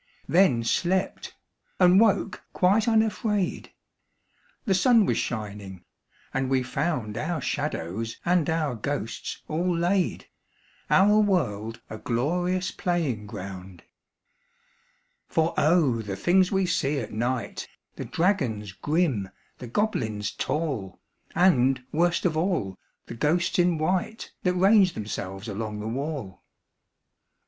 Then slept, and woke quite unafraid. The sun was shining, and we found Our shadows and our ghosts all laid, Our world a glorious playing ground. For O! the things we see at night The dragons grim, the goblins tall, And, worst of all, the ghosts in white That range themselves along the wall!